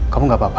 kamu gak apa apa